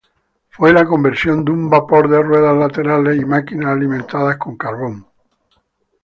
Fue la conversión de un vapor de ruedas laterales, y máquinas alimentadas con carbón.